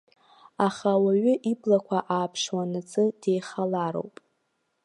Аха ауаҩы иблақәа ааԥшуанаҵы деихалароуп.